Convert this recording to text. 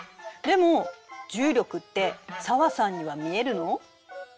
でも重力って紗和さんには見えるの？